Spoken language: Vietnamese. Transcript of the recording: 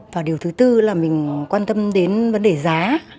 và điều thứ tư là mình quan tâm đến vấn đề giá